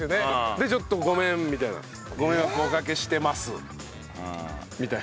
でちょっと「ごめん」みたいな「ご迷惑をおかけしてます」みたいな。